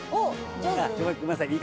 「ごめんなさい。